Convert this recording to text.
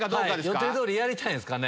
予定通りやりたいんすかね。